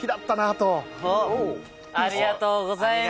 ありがとうございます！